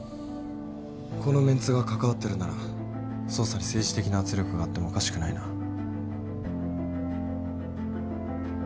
このメンツが関わってるなら捜査に政治的な圧力があってもおかしくないな。